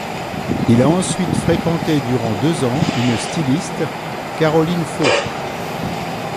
Il a ensuite fréquenté durant deux ans une styliste, Karolyn Pho.